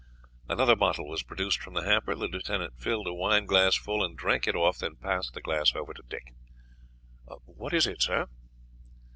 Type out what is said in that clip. Another bottle was produced from the hamper; the lieutenant filled a wine glass full and drank it off, and then passed the glass over to Dick. "What is it, sir?"